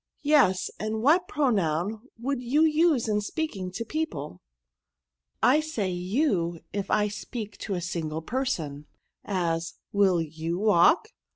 'Yes ; and what pronoun woidd you Use in speaking to people?'* '* I say you if I speak to a single person ; as, will pou walk